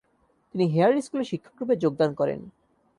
তিনি হেয়ার স্কুলে শিক্ষকরূপে যোগদান করেন।